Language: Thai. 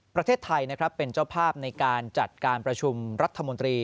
ประเทศไทยนะครับเป็นเจ้าภาพในการจัดการประชุมรัฐมนตรี